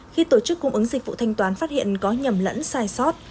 khi tổ chức cung ứng dịch vụ thanh toán phát hiện có nhầm lẫn sai sót